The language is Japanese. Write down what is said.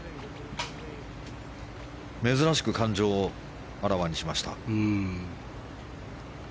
珍しく感情をあらわにしました。